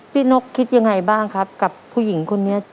นกคิดยังไงบ้างครับกับผู้หญิงคนนี้